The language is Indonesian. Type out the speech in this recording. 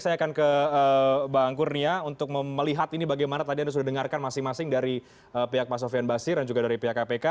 saya akan ke bang kurnia untuk melihat ini bagaimana tadi anda sudah dengarkan masing masing dari pihak pak sofian basir dan juga dari pihak kpk